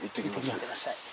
いってらっしゃい。